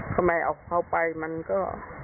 ทำไมเอาเขาไปมันก็